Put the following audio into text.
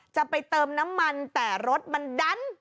จะไปเติมน้ำมันแต่รถมันดัน